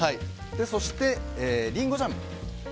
そして、リンゴジャム。